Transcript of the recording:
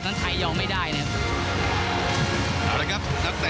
ดิฉะนั้นไทยยอมไม่ได้นะครับ